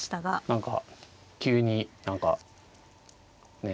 何か急に何かね